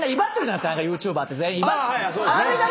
ＹｏｕＴｕｂｅｒって全員威張ってる。